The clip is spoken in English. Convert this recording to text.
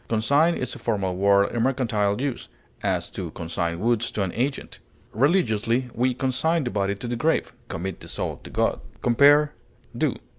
Consign is a formal word in mercantile use; as, to consign goods to an agent. Religiously, we consign the body to the grave, commit the soul to God. Compare DO.